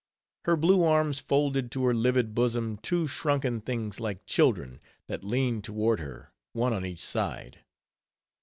Her blue arms folded to her livid bosom two shrunken things like children, that leaned toward her, one on each side.